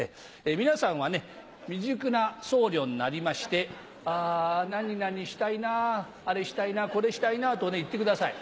皆さんはね、未熟な僧侶になりまして、あー、何々したいなぁ、あれしたいな、これしたいなと言ってください。